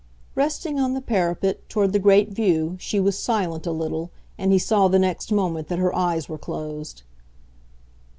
Resting on the parapet; toward the great view, she was silent a little, and he saw the next moment that her eyes were closed.